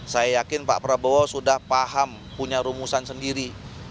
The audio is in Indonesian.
saya yakin pak prabowo sudah paham punya rumusan sendiri